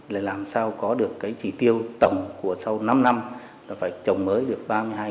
để làm sao có được cái chỉ tiêu tổng của sau năm năm là phải trồng mới được ba mươi hai năm trăm linh